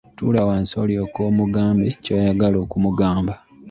Tuula wansi olyoke omugambe ky'oyagala okumugamba.